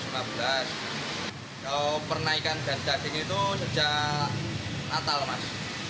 kalau pernaikan daging daging itu sejak natal mas